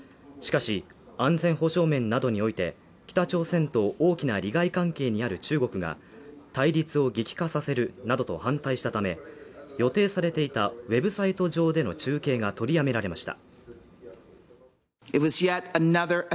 しかし、安全保障面などにおいて、北朝鮮と大きな利害関係にある中国が対立を激化させるなどと反対したため、予定されていたウェブサイト上での中継が取りやめられました。